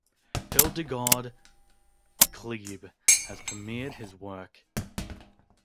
Hildegard Kleeb has premiered his work.